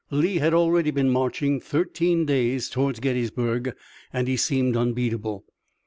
Lee had already been marching thirteen days toward Gettysburg, and he seemed unbeatable.